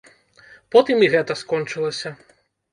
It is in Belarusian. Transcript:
Потым і гэта скончылася.